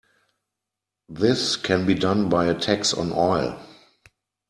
This can be done by a tax on oil.